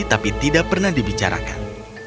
tapi tidak pernah dibicarakan